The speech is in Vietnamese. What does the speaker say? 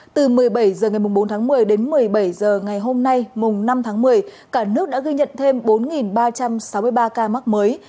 từ một mươi bảy h ngày bốn tháng một mươi đến một mươi bảy h ngày hôm nay mùng năm tháng một mươi cả nước đã ghi nhận thêm bốn ba trăm sáu mươi ba ca mắc mới